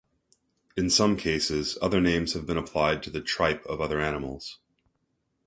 In some cases, other names have been applied to the 'tripe' of other animals.